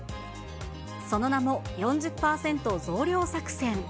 その名も４０％増量作戦。